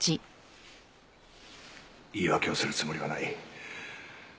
言い訳をするつもりはない。